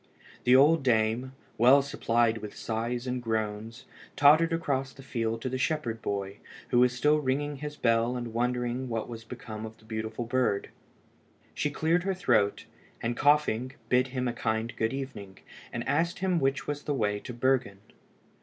The old dame, well supplied with sighs and groans, tottered across the field to the shepherd boy, who was still ringing his bell and wondering what was become of the beautiful bird. She cleared her throat, and coughing, bid him a kind good evening, and asked him which was the way to Bergen.